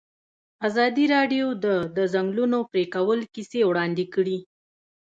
ازادي راډیو د د ځنګلونو پرېکول کیسې وړاندې کړي.